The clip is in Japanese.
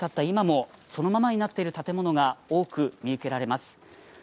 今もそのままになっている建物が多く見受けられます。